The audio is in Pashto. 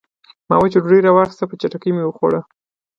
ما وچه ډوډۍ راواخیسته او په چټکۍ مې وخوړه